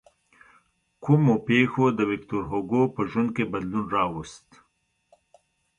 کومو پېښو د ویکتور هوګو په ژوند کې بدلون راوست.